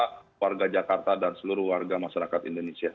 keluarga jakarta dan seluruh warga masyarakat indonesia